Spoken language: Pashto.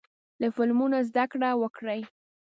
له فلمونو زده کړه وکړئ.